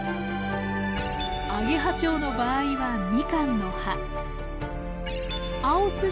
アゲハチョウの場合はミカンの葉アオスジ